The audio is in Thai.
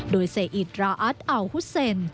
โดยเศษฐราอัตอัลฮุเซ็น